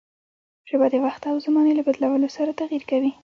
ژبه د وخت او زمانې له بدلون سره تغير کوي.